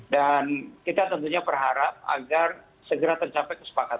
dan kita tentunya berharap agar segera terjadi